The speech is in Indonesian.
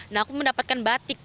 nah aku mendapatkan batik